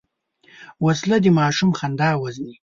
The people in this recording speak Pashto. وسله د ماشوم خندا وژني